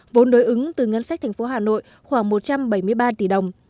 vốn đối ứng từ ngân sách thành phố hà nội khoảng một trăm bảy mươi ba tỷ đồng